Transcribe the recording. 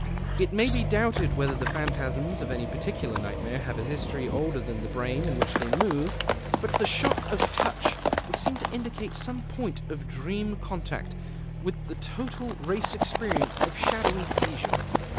It may be doubted whether the phantasms of any particular nightmare have a history older than the brain in which they move. But the shock of the touch would seem to indicate some point of dream contact with the total race experience of shadowy seizure.